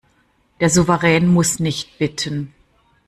Der Souverän muss nicht bitten.